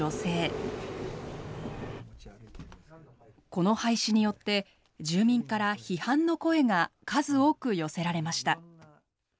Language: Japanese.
この廃止によって住民から批判の声が数多く寄せられました。